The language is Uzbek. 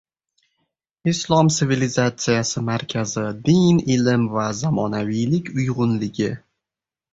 Islom sivilizatsiyasi markazi: din, ilm va zamonaviylik uyg‘unligi